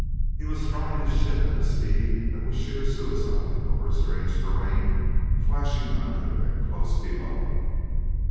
He was throwing his ship at a speed that was sheer suicide over a strange terrain flashing under and close below.